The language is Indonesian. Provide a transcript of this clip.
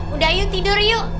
udah yuk tidur yuk